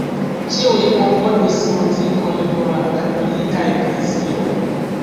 Ĉiuj komponis muzikon por la katolika eklezio.